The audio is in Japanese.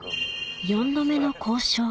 ４度目の交渉！